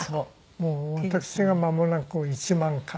もう私が間もなく１万回。